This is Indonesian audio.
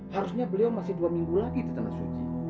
harusnya beliau masih dua minggu lagi di tanah suci